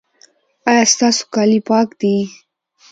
ایا ستاسو کالي پاک دي؟